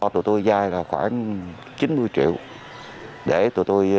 tụi tôi dài khoảng chín mươi triệu